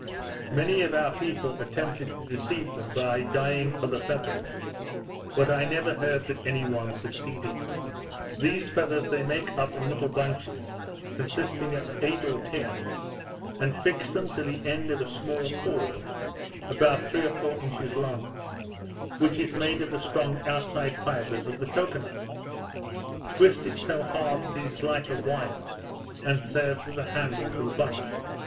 Many of our people attempted to deceive them by dying other feathers; but I never heard that any one succeeded. These feathers they make up in little bunches, consisting of eight or ten, and fix them to the end of a small cord about three or four inches long, which is made of the strong outside fibres of the cocoa nut, twisted so hard that it is like a wire, and serves as a handle to the bunch.